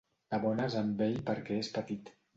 T'abones amb ell perquè és petit.